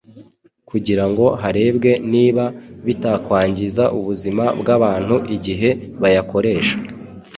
kugirango harebwe niba bitakwangiza ubuzima bw’abantu igihe bayakoresha.